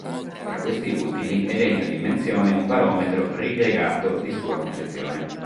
Fra questi ultimi è degno di menzione un barometro "ripiegato" di sua concezione.